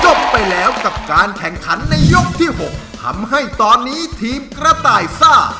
จบไปแล้วกับการแข่งขันในยกที่๖ทำให้ตอนนี้ทีมกระต่ายซ่า